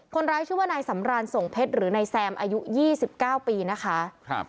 คนร้ายชื่อว่านายสำรานส่งเพชรหรือนายแซมอายุ๒๙ปีนะคะ